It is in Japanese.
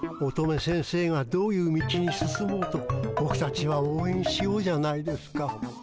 乙女先生がどういう道に進もうとぼくたちはおうえんしようじゃないですか。